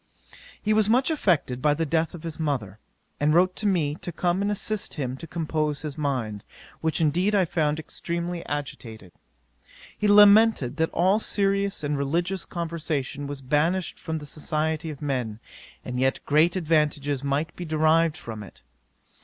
'He was much affected by the death of his mother, and wrote to me to come and assist him to compose his mind, which indeed I found extremely agitated. He lamented that all serious and religious conversation was banished from the society of men, and yet great advantages might be derived from it.